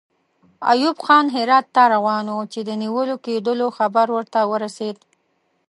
ایوب خان هرات ته روان وو چې د نیول کېدلو خبر ورته ورسېد.